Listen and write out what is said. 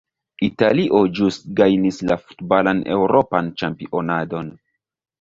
Italio ĵus gajnis la futbalan eŭropan ĉampionadon.